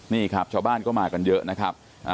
นี่ชาวบ้านก็มากันเยอะครับ